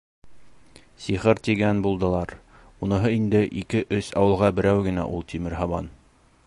Сихыр тигән булдылар, уныһы инде ике-өс ауылға берәү генә ул тимер һабан.